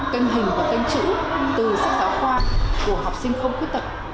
kênh hình và canh chữ từ sách giáo khoa của học sinh không khuyết tật